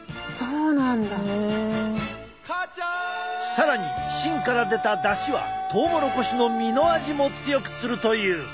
更に芯から出ただしはトウモロコシの実の味も強くするという。